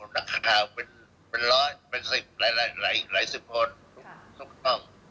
นักข่าวเป็นร้อยเป็น๑๐หลายสิบคนทุกช่อง